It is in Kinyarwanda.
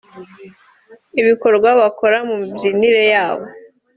ibikorwa bakora mu mibyinire yabo